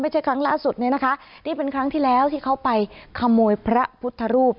ครั้งล่าสุดเนี่ยนะคะนี่เป็นครั้งที่แล้วที่เขาไปขโมยพระพุทธรูป